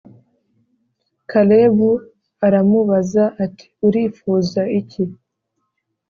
Kalebu aramubaza ati “urifuza iki?”